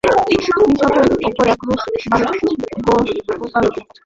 কৃষ্ণের অপর এক রূপ "বালগোপাল"-ও এই সম্প্রদায়ের পূজ্য।